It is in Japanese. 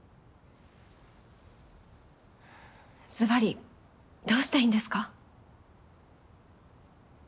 はぁズバリどうしたいんですか？